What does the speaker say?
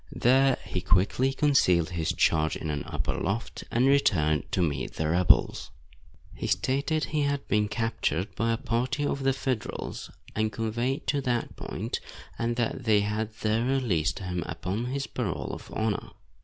There he quickly concealed his charge in an upper loft, and returned to meet the rebels. He stated he had been captured by a party of the Federals and conveyed to that point, and that they had there released him upon his parole of honor.